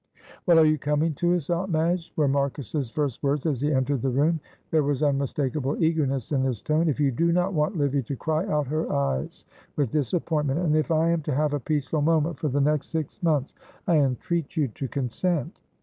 "Well, are you coming to us, Aunt Madge?" were Marcus's first words as he entered the room. There was unmistakable eagerness in his tone. "If you do not want Livy to cry out her eyes with disappointment, and if I am to have a peaceful moment for the next six months, I entreat you to consent."